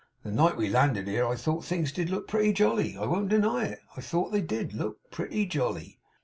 The night we landed here, I thought things did look pretty jolly. I won't deny it. I thought they did look pretty jolly.